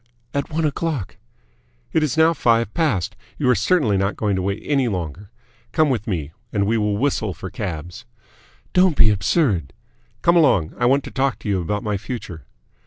"At one o'clock." "It is now five past. You are certainly not going to wait any longer. Come with me, and we will whistle for cabs." "Don't be absurd!" "Come along. I want to talk to you about my future."